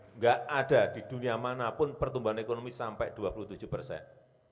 tidak ada di dunia manapun pertumbuhan ekonomi sampai dua puluh tujuh persen